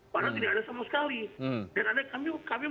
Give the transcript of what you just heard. padahal tidak ada sama sekali